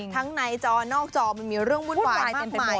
ทั้งในจอนอกจอมันมีเรื่องวุ่นวายมากมาย